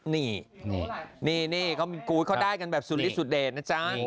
นี่นี่นี่เขาได้กันแบบสุดลิดสุดเดนนะจ๊ะ